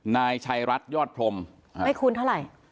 นายชัยรัฐยอดพรมไม่คุ้นเท่าไหร่